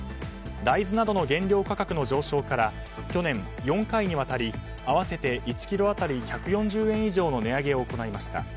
大豆などの原料価格の上昇から去年、４回にわたり合わせて１ｋｇ当たり１４０円以上の値上げを行いました。